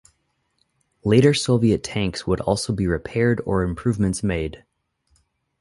Later Soviet tanks would also be repaired or improvements made.